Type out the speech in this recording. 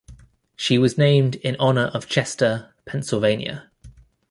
She was named in honor of Chester, Pennsylvania.